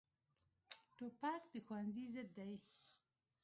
توپک د ښوونځي ضد دی.